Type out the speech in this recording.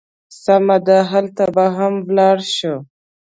سمه ده، هلته به هم ولاړ شو.